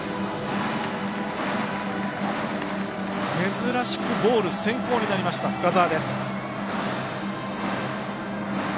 珍しくボール先行になった深沢。